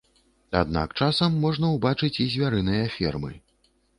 Аднак часам можна ўбачыць і звярыныя формы.